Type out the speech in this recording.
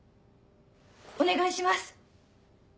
お願いします。